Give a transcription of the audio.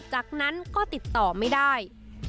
จากนั้นก็ติดต่อไม่ได้